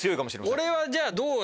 俺はじゃあ。